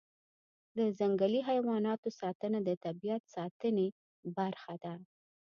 د ځنګلي حیواناتو ساتنه د طبیعت ساتنې برخه ده.